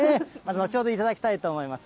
後ほど頂きたいと思います。